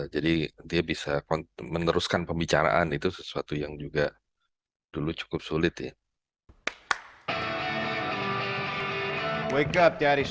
jadi dia bisa meneruskan pembicaraan itu sesuatu yang juga dulu cukup sulit ya